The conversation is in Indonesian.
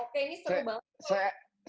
oke ini seru banget